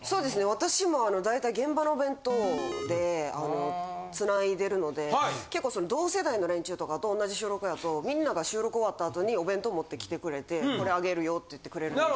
私も大体現場のお弁当で繋いでるので結構その同世代の連中とかと同じ収録やとみんなが収録終わった後にお弁当持って来てくれて「これあげるよ」って言ってくれるので。